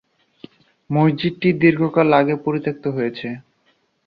মসজিদটি দীর্ঘকাল আগে পরিত্যাক্ত হয়েছে।